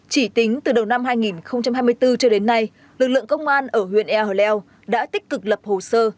chỉ tính từ đầu năm hai nghìn hai mươi bốn cho đến nay lực lượng công an ở huyện ea hồi lèo đã tích cực lập hồ sơ